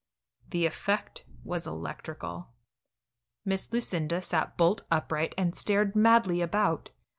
The effect was electrical. Miss Lucinda sat bolt upright and stared madly about.